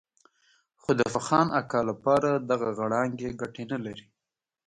خو د فخان اکا لپاره دغه غړانګې ګټه نه لري.